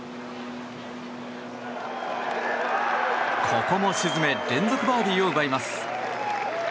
ここも沈め連続バーディーを奪います。